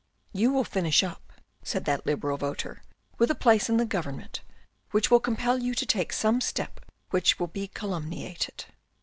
" You will finish up," said that Liberal voter, " with a place in the Government, which will compel you to take some step which will be calumniated.